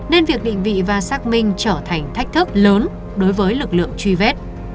nên việc định vị và xác minh trở thành thách thức lớn đối với lực lượng truy vết